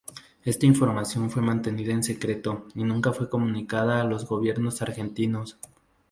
Esta información fue mantenida en secreto y nunca fue comunicada a los gobiernos argentinos.